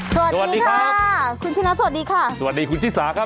สวัสดีครับสวัสดีครับสวัสดีค่ะสวัสดีคุณชิสาครับ